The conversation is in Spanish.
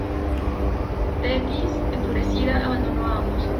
Tetis, enfurecida, abandonó a ambos.